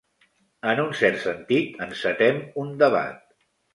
En un cert sentit, encetem un debat.